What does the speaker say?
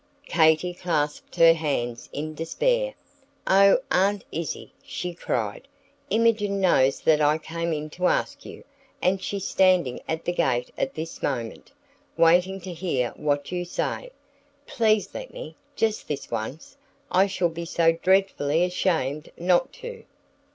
Katy clasped her hands in despair. "Oh, Aunt Izzie!" she cried, "Imogen knows that I came in to ask you, and she's standing at the gate at this moment, waiting to hear what you say. Please let me, just this once! I shall be so dreadfully ashamed not to."